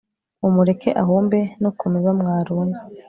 mumureke ahumbe no ku miba mwarunze